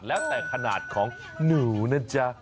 แล้วแต่ขนาดของหนูนะจ๊ะ